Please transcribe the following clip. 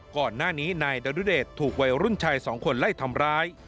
ก่อนหน้านี้ในดนตรีเดชน์ถูกวัยรุ่นชาย๒คนไล่ทำร้าย